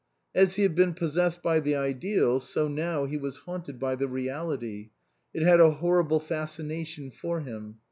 As he had been possessed by the ideal, so now he was haunted by the reality ; it had a horrible fascination for him.